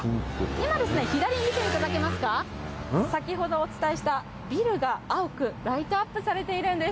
今、左見ていただけますか、先ほどお伝えした、ビルが青くライトアップされてるんです。